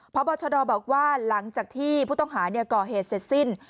พบชดบอกว่าหลังจากที่ผู้ต้องหาก่อเหตุเสร็จสิ้น